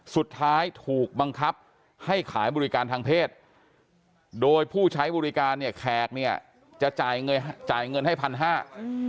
สุดท้ายถูกบังคับให้ขายบริการทางเพศโดยผู้ใช้บริการแขกจะจ่ายเงินให้๑๕๐๐บาท